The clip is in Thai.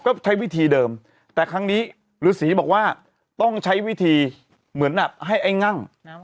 ก็ใช้วิธีเดิมแต่ครั้งนี้ฤษีบอกว่าต้องใช้วิธีเหมือนแบบให้ไอ้งั่ง